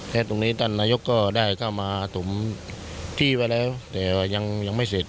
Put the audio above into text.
ตรงนี้ท่านนายกก็ได้เข้ามาถมที่ไว้แล้วแต่ว่ายังยังไม่เสร็จ